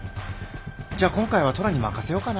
じゃあ今回は虎に任せようかな。